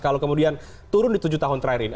kalau kemudian turun di tujuh tahun terakhir ini